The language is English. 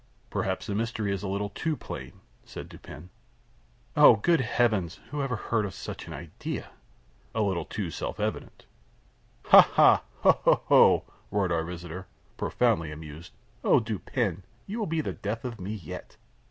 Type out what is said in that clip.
"Perhaps the mystery is a little too plain," said Dupin. "Oh, good heavens! who ever heard of such an idea?" "A little too self evident." "Ha! ha! ha! ha! ha! ha! ho! ho! ho!" roared our visitor, profoundly amused, "Oh, Dupin, you will be the death of me yet!"